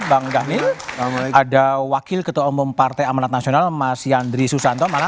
bang dhanil ada wakil ketua umum partai amanat nasional mas yandri susanto